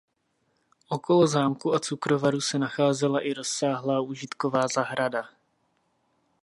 Okolo zámku a cukrovaru se nacházela i rozsáhlá užitková zahrada.